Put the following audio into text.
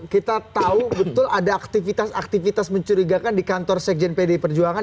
kita tahu betul ada aktivitas aktivitas mencurigakan di kantor sekjen pdi perjuangan